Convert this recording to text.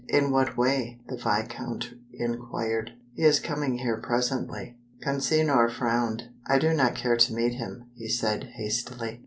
"In what way?" the viscount inquired. "He is coming here presently." Consinor frowned. "I do not care to meet him," he said, hastily.